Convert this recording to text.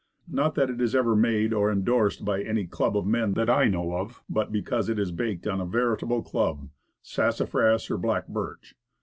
Not that it was ever 94 Woodcraft. made or endorsed by any club of men that I know of, but because it is baked on a veritable club, of sassafras or black birch.